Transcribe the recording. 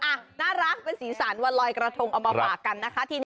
เหลียนน่ารักเป็นสีสารว่าลอยกระทงเอามาปากกันนะคะ